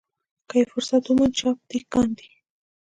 که یې فرصت وموند چاپ دې کاندي.